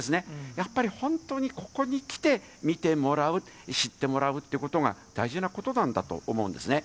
やっぱり本当にここに来て、見てもらう、知ってもらうということが、大事なことなんだと思うんですね。